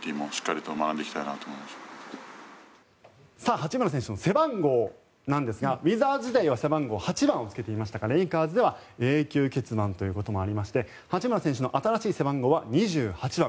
八村選手の背番号なんですがウィザーズ時代は背番号８番をつけていましたがレイカーズでは永久欠番ということもありまして八村選手の新しい背番号は２８番。